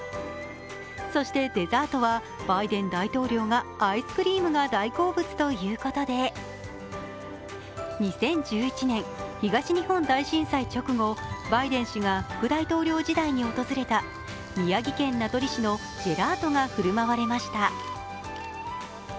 そしてデザートはバイデン大統領がアイスクリームが大好物ということで、２０１１年、東日本大震災直後バイデン氏が副大統領時代に訪れた宮城県名取市のジェラートが振る舞われました。